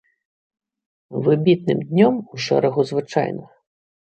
Выбітным днём у шэрагу звычайных.